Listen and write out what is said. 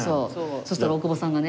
そしたら大久保さんがね